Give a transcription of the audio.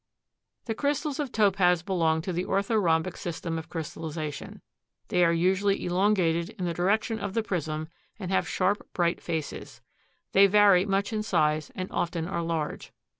The crystals of Topaz belong to the orthorhombic system of crystallization. They are usually elongated in the direction of the prism and have sharp, bright faces. They vary much in size and often are large.